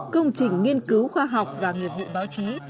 công trình nghiên cứu khoa học và nghiệp vụ báo chí